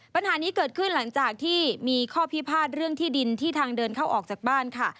ปัญหานี้เกิดขึ้นหลังจากที่มีข้อพิพาทเรื่องที่ดินที่ทางเดินเข้าออกจากบ้านค่ะ